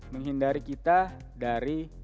menghindari kita dari